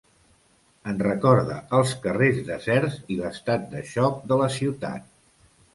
En recorda els carrers deserts i l’estat de xoc de la ciutat.